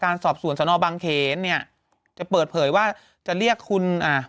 สอบสวนสนบางเขนเนี้ยจะเปิดเผยว่าจะเรียกคุณอ่า